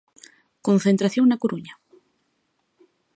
Concentración na Coruña.